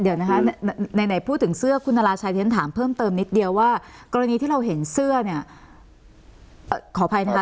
เดี๋ยวนะคะไหนพูดถึงเสื้อคุณนาราชัยที่ฉันถามเพิ่มเติมนิดเดียวว่ากรณีที่เราเห็นเสื้อเนี่ยขออภัยนะคะ